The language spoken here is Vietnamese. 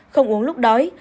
không uống lúc đói